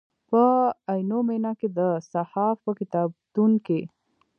په عینومېنه کې د صحاف په کتابتون کې.